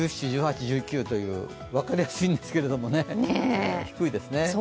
１７、１８、１９という分かりやすいんですけど低いですね。